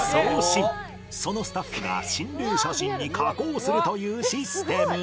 そのスタッフが心霊写真に加工するというシステム